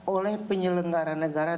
oleh penyelenggara negara